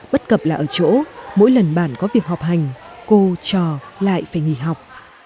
bất cập là ở chỗ mỗi lần bản có việc học hành cô trò lại phải nghỉ học